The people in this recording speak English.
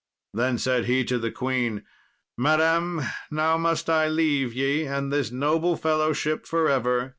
Then said he to the queen, "Madam, now must I leave ye and this noble fellowship for ever.